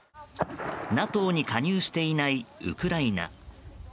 ＮＡＴＯに加入していないウクライナ。